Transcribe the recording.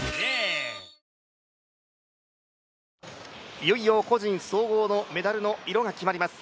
いよいよ個人総合のメダルの色が決まります。